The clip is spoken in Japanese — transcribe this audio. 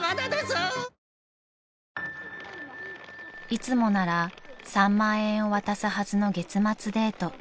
［いつもなら３万円を渡すはずの月末デート］